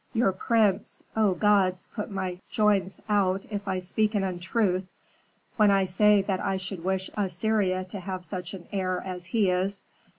"Your prince O gods, put my joints out if I speak an untruth, when I say that I should wish Assyria to have such an heir as he is.